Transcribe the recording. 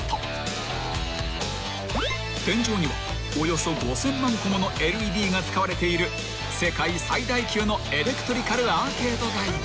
［天井にはおよそ５，０００万個ものＬＥＤが使われている世界最大級のエレクトリカルアーケード街だ］